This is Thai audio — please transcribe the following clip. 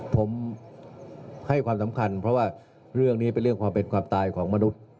ผมให้ความสำคัญเพราะว่าเรื่องนี้เป็นเรื่องความเป็นความตายของมนุษย์